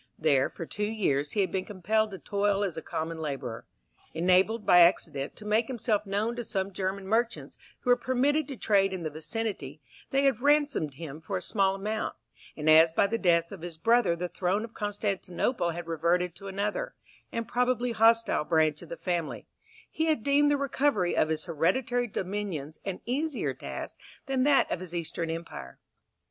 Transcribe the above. There for two years he had been compelled to toil as a common labourer. Enabled, by accident, to make himself known to some German merchants, who were permitted to trade in the vicinity, they had ransomed him for a small amount; and as by the death of his brother the throne of Constantinople had reverted to another, and probably hostile, branch of the family, he had deemed the recovery of his hereditary dominions an easier task than that of his Eastern empire.